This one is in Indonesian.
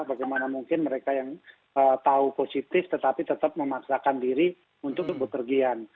bagaimana mungkin mereka yang tahu positif tetapi tetap memaksakan diri untuk berpergian